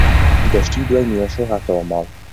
دەشتی دوای نیوەشەو هاتەوە ماڵ.